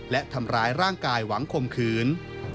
และทำร้ายร่างกายหวังข่มขืน